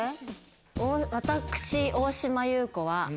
私大島優子は。